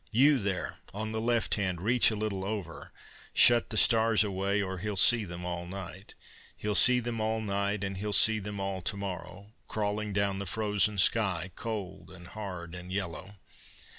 You there on the left hand, reach a little over Shut the stars away, or he'll see them all night: He'll see them all night and he'll see them all to morrow, Crawling down the frozen sky, cold and hard and yellow.